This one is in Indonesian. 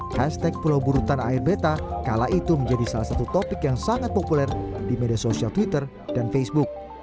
hashtag pulau buru tanah air beta kala itu menjadi salah satu topik yang sangat populer di media sosial twitter dan facebook